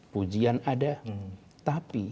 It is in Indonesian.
pujian ada tapi